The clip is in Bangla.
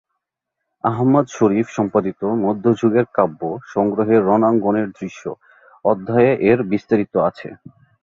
আহমদ শরীফ সম্পাদিত মধ্যযুগের কাব্য-সংগ্রহের 'রণাঙ্গন-এর দৃশ্য'- অধ্যায়ে এর বিস্তারিত আছে।